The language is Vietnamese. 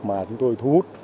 mà chúng tôi thu hút